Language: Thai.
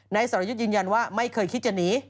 สรยุทธ์ยืนยันว่าไม่เคยคิดจะหนี